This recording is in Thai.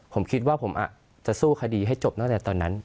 ผมคิดว่าผมอาจจะสู้คดีให้จบตั้งแต่ตอนนั้น